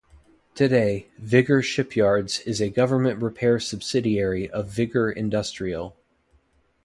Today, Vigor Shipyards is a government repair subsidiary of Vigor Industrial.